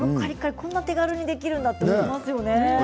こんなに手軽にできるのかと思いますよね。